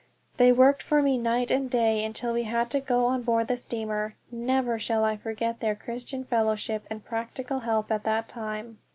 They worked for me night and day until we had to get on board the steamer. Never shall I forget their Christian fellowship and practical help at that time.